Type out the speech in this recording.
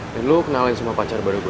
dan lo kenalin sama pacar baru gue